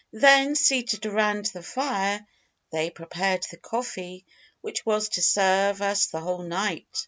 Then, seated around the fire, they prepared the coffee which was to serve us the whole night.